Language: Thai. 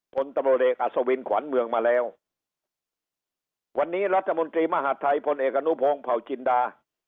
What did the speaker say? คนตะโบเลกอสวินขวานเมืองมาแล้ววันนี้รัฐมนตรีมหาธัยพลเอกอนุโพงเผาจินดา